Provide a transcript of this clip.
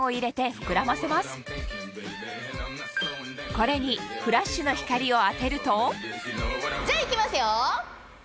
これにフラッシュの光を当てるとじゃいきますよ！